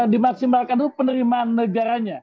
dimaksimalkan dulu penerimaan negaranya